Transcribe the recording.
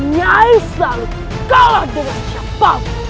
nyai selalu kalah dengan siapapun